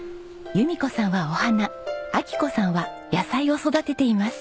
弓子さんはお花昭子さんは野菜を育てています。